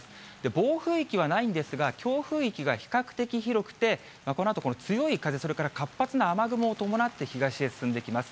暴風域はないんですが、強風域が比較的広くて、このあと、強い風、それから活発な雨雲を伴って東へ進んできます。